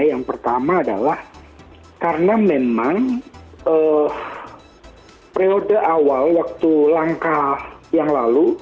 yang pertama adalah karena memang periode awal waktu langkah yang lalu